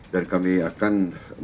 dan kami akan